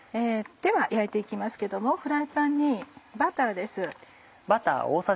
では焼いて行きますけどもフライパンにバターです。